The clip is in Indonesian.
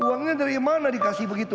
uangnya dari mana dikasih begitu